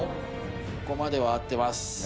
ここまでは合ってます